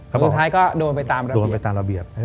สุดท้ายก็โดนไปตามระเบียบ